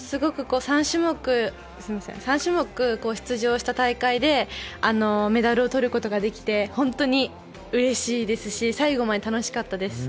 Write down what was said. ３種目出場した大会でメダルを取ることができて本当にうれしいですし最後まで楽しかったです。